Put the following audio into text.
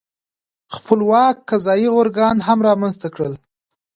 خپلواک قضايي ارګان هم رامنځته کړل.